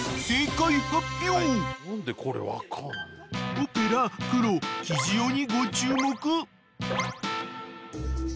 ［オペラクロキジオにご注目］